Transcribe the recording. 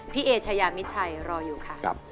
พี่เอเชยามิชัยรออยู่ค่ะ